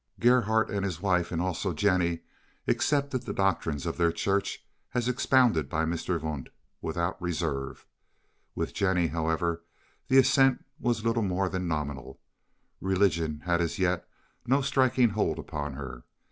Gerhardt and his wife, and also Jennie, accepted the doctrines of their Church as expounded by Mr. Wundt without reserve. With Jennie, however, the assent was little more than nominal. Religion had as yet no striking hold upon her.